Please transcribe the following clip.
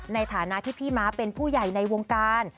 ในฐานะที่พี่ม้าเป็นผู้ใหญ่ในวงการ